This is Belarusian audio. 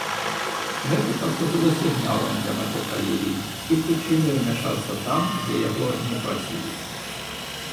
Гэта паслужыла сігналам для майго калегі і прычынай умяшацца там, дзе яго не прасілі.